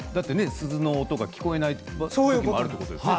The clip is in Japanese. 鈴の音が聞こえないこともあるってことですよね。